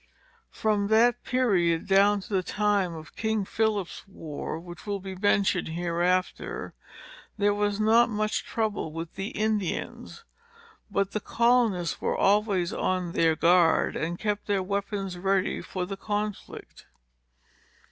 From that period, down to the time of King Philip's war, which will be mentioned hereafter, there was not much trouble with the Indians. But the colonists were always on their guard, and kept their weapons ready for the conflict.